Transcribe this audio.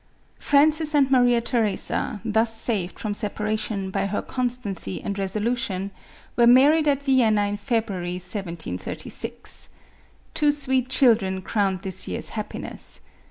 Francis and Maria Theresa, thus saved from separa tion by her constancy and resolution, were married at Vienna in February, 1736. Two sweet children crowned this year's happiness.